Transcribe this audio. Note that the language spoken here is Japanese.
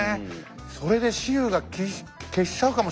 それで雌雄が決しちゃうかもしんないからね。